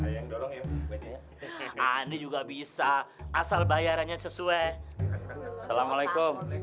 yang doang yang aneh juga bisa asal bayarannya sesuai assalamualaikum